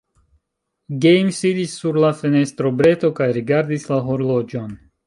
Gejm sidis sur la fenestrobreto kaj rigardis la horloĝon.